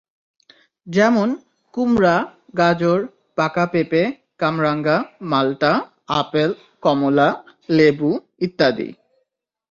যেমন কুমড়া, গাজর, পাকা পেঁপে, কামরাঙা, মাল্টা, আপেল, কমলা, লেবু ইত্যাদি।